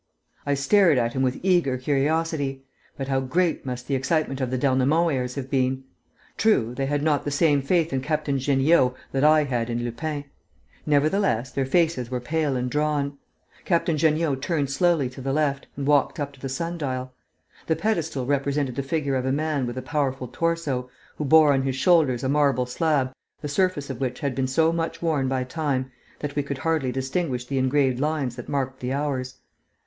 I stared at him with eager curiosity. But how great must the excitement of the d'Ernemont heirs have been! True, they had not the same faith in Captain Jeanniot that I had in Lupin. Nevertheless, their faces were pale and drawn. Captain Jeanniot turned slowly to the left and walked up to the sun dial. The pedestal represented the figure of a man with a powerful torso, who bore on his shoulders a marble slab the surface of which had been so much worn by time that we could hardly distinguish the engraved lines that marked the hours.